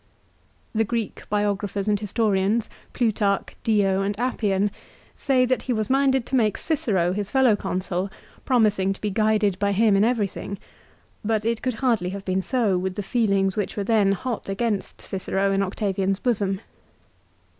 The Greek biographers and historians, Plutarch, Dio, and Appian, say that he was minded to make Cicero his fellow Consul, promising to be guided by him in everything ; but it could hardly have been so, with the feelings which were then hot against Cicero in Octavian's bosom.